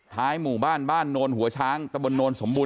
ท้ายหมู่บ้านบ้านโนรหัวช้างตะบลโนรสมบูรณ์